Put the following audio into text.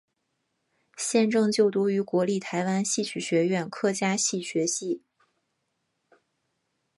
现正就读于国立台湾戏曲学院客家戏学系。